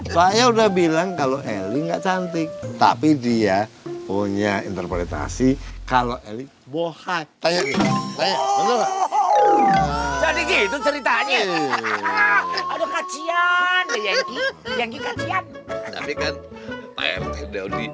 saya udah bilang kalau eli enggak cantik tapi dia punya interpretasi kalau eli bohong